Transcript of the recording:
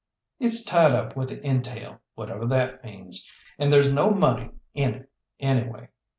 "It's tied up with entail, whatever that means, and there's no money in it, anyway.